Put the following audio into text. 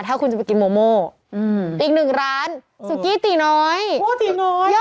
ถ้าคุณจะไปกินโมโม่อืมอีกหนึ่งร้านสุกี้ตีน้อยโมตีน้อย